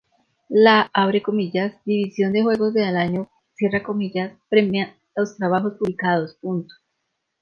La "División de Juegos del Año" premia los trabajos publicados.